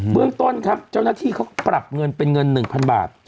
เรื่องต้นครับเจ้าหน้าที่เขาก็ปรับเงินเป็นเงิน๑๐๐๐บาท